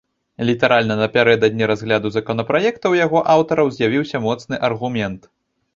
Літаральна напярэдадні разгляду законапраекта ў яго аўтараў з'явіўся моцны аргумент.